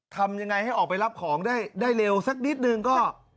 ทำยังไงให้ออกไปรับของได้เร็วสักนิดนึงก็